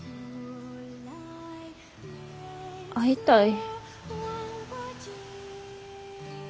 会いたい。